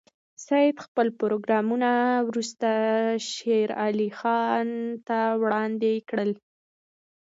سید خپل پروګرامونه وروسته شېر علي خان ته وړاندې کړل.